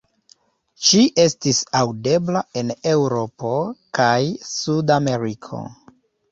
Ŝi estis aŭdebla en Eŭropo kaj Sud-Ameriko.